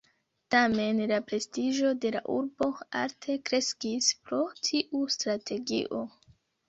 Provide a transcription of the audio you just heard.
Tamen la prestiĝo de la urbo alte kreskis pro tiu strategio.